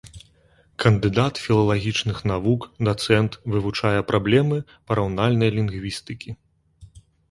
Кандыдат філалагічных навук, дацэнт, вывучае праблемы параўнальнай лінгвістыкі.